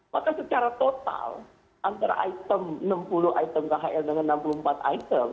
maka secara total antara enam puluh item khl dengan enam puluh empat item